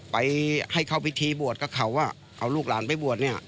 ไปให้เข้าพิธีบวชกับเขาเอาลูกหลานไปบวชเนี่ย